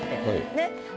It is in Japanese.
ねっ。